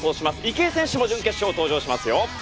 池江選手も準決勝に登場します。